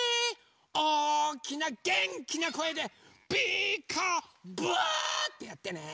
おおきなげんきなこえで「ピーカーブ！」っていってね。